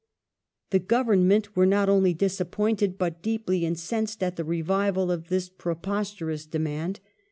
^ The Government were not only disappointed but deeply incensed at the revival of this preposterous demand.